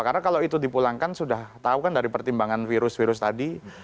karena kalau itu dipulangkan sudah tahu kan dari pertimbangan virus virus tadi